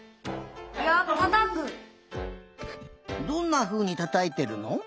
どんなふうにたたいてるの？